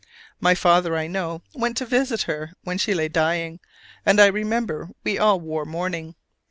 My father, I know, went to visit her when she lay dying; and I remember we all wore mourning.